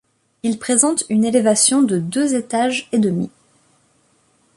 Il présente une élévation de deux étages et demi.